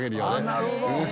なるほど。